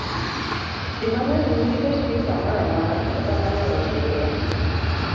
Ji mang'eny wito yugi kamoro amora, kata mana e wang' yorewa.